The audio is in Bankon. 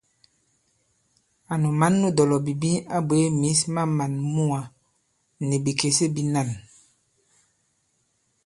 Ànu mǎn nu dɔ̀lɔ̀bìbi a bwě mǐs ma màn muwā nì bìkèse bīnân.